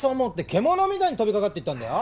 獣みたいに飛びかかっていったんだよ。